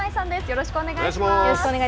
よろしくお願いします。